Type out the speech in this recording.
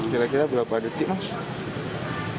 kira kira berapa detik mas